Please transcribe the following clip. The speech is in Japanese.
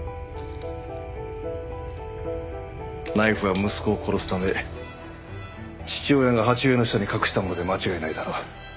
ナイフは息子を殺すため父親が鉢植えの下に隠したもので間違いないだろう。